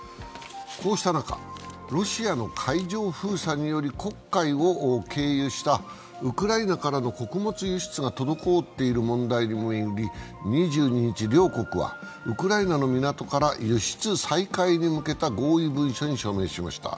こうした中、ロシアの海上封鎖により、黒海を経由したウクライナからの穀物輸出が滞っている問題を巡り２２日両国はウクライナの港から輸出再開に向けた合意文書に署名しました。